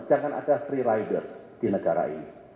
jangan ada free riders di negara ini